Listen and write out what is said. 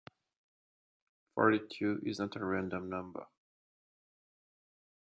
Forty-two is not a random number.